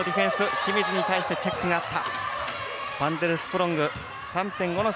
清水に対してチェックがあった。